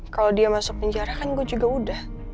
kalau dia masuk penjara kan gue juga udah